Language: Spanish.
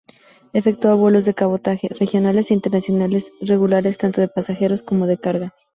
Efectúa vuelos de cabotaje, regionales e internacionales regulares tanto de pasajeros como de carga.